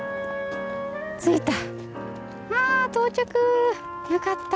着いた！